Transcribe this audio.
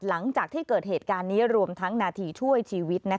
หลังจากที่เกิดเหตุการณ์นี้รวมทั้งนาทีช่วยชีวิต